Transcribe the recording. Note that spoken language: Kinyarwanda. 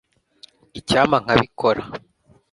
icyampa nkabikora